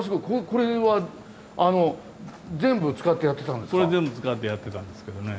これ全部使ってやってたんですけどね。